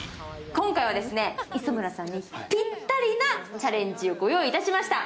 今回はですね、磯村さんにピッタリなチャレンジをご用意しました。